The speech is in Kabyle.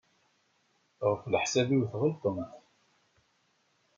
Ɣef leḥsab-iw tɣelṭemt.